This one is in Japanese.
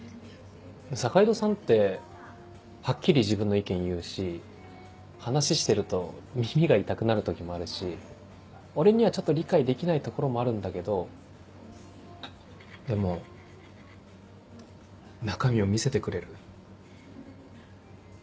坂井戸さんってはっきり自分の意見言うし話してると耳が痛くなる時もあるし俺にはちょっと理解できないところもあるんだけどでも中身を見せてくれる。